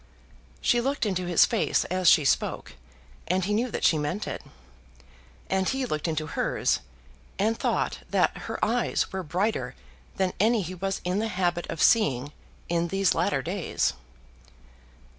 She looked into his face as she spoke, and he knew that she meant it. And he looked into hers, and thought that her eyes were brighter than any he was in the habit of seeing in these latter days.